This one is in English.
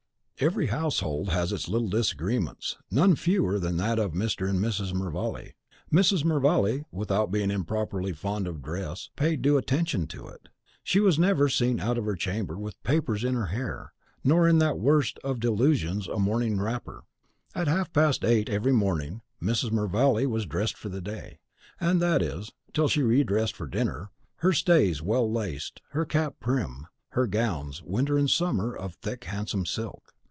Every household has its little disagreements, none fewer than that of Mr. and Mrs. Mervale. Mrs. Mervale, without being improperly fond of dress, paid due attention to it. She was never seen out of her chamber with papers in her hair, nor in that worst of dis illusions, a morning wrapper. At half past eight every morning Mrs. Mervale was dressed for the day, that is, till she re dressed for dinner, her stays well laced, her cap prim, her gowns, winter and summer, of a thick, handsome silk.